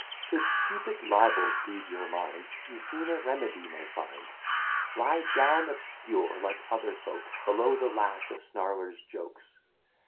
Should stupid libels grieve your mind, You soon a remedy may find; Lie down obscure like other folks Below the lash of snarlers' jokes.